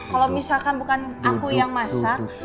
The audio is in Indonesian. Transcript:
kalau misalkan bukan aku yang masak